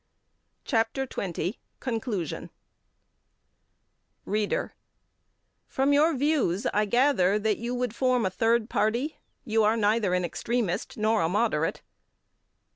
CHAPTER XX CONCLUSION READER: From your views I gather that you would form a third party. You are neither an extremist nor a moderate.